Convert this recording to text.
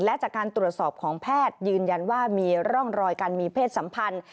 และจากการตรวจสอบของแพทย์ยืนยันว่ามีร่องรอยการมีเพศสัมพันธ์